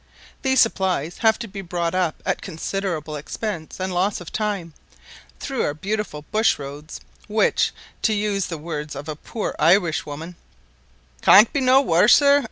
These supplies have to be brought up at considerable expense and loss of time, through our beautiful bush roads; which, to use the words of a poor Irish woman, "can't be no worser."